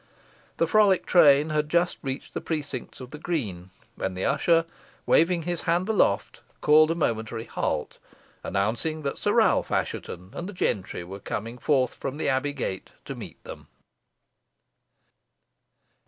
The frolic train had just reached the precincts of the green, when the usher waving his wand aloft, called a momentary halt, announcing that Sir Ralph Assheton and the gentry were coming forth from the Abbey gate to meet them.